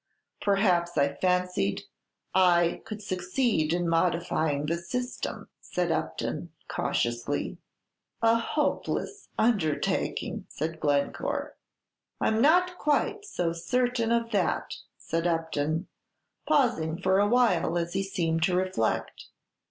Perhaps I fancied I could succeed in modifying the system," said Upton, cautiously. "A hopeless undertaking!" said Glencore. "I'm not quite so certain of that," said Upton, pausing for a while as he seemed to reflect.